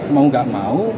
mau gak mau